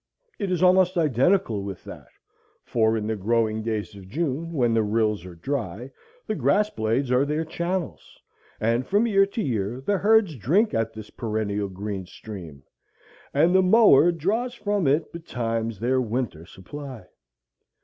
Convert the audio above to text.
It is almost identical with that, for in the growing days of June, when the rills are dry, the grass blades are their channels, and from year to year the herds drink at this perennial green stream, and the mower draws from it betimes their winter supply.